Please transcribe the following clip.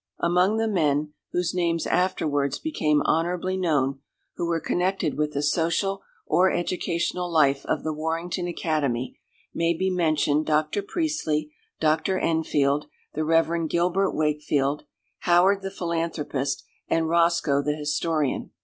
Among the men, whose names afterwards became honourably known, who were connected with the social or educational life of the Warrington Academy, may be mentioned Dr. Priestley, Dr. Enfield, the Rev. Gilbert Wakefield, Howard the philanthropist, and Roscoe the historian.